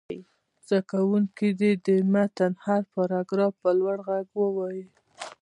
زده کوونکي دې د متن هر پراګراف په لوړ غږ ووايي.